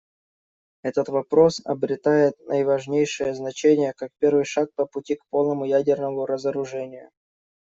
Этот вопрос обретает наиважнейшее значение как первый шаг по пути к полному ядерному разоружению.